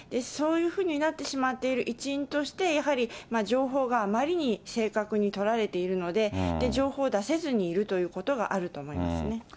そういうふうになってしまっている一因として、やはり情報があまりに正確に取られているので、情報を出せずにいるということがあると思いますね。